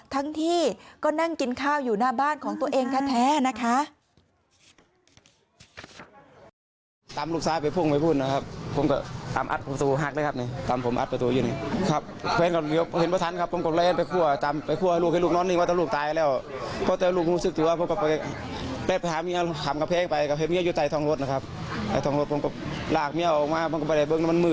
ทั้งที่ก็นั่งกินข้าวอยู่หน้าบ้านของตัวเองแท้นะคะ